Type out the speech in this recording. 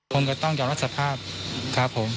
ผมก็ต้องยอมรับสภาพครับผม